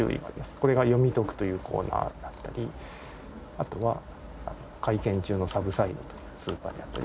これが「よみトク」というコーナーだったりあとは会見中のサブサイドというスーパーであったり。